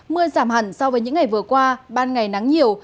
mưa giảm hẳn so với những ngày vừa qua ban ngày nắng nhiều